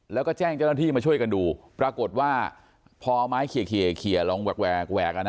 แล้วก็แจ้งเจ้าหน้าที่มาช่วยกันดูปรากฏว่าพอไม้เขียกลองแหวก